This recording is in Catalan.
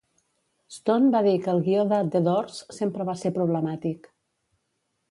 Stone va dir que el guió de "The Doors" sempre va ser problemàtic.